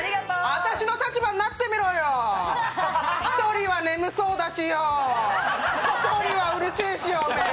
私の立場になってみろよ、１人は眠そうだしよー、１人はうるせえしよ、おめえ！